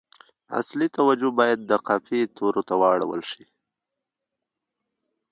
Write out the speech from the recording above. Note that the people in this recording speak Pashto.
اصلي توجه باید د قافیې تورو ته واړول شي.